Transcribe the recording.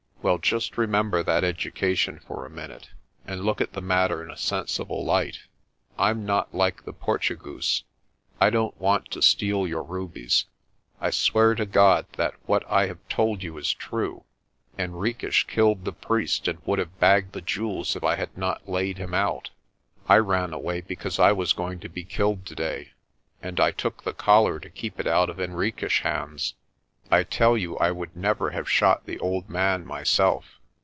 Well, just remember that education for a minute, and look at the matter in a sensible light. Pm not like the Portugoose. I don't want to steal your rubies. I swear to God that what I have told you is true. Henriques killed the priest and would have bagged the jewels if I had not laid him out. I ran away because I was going to be killed today and I took the collar to keep it out of Henriques' hands. I tell you I would never have shot the old man myself.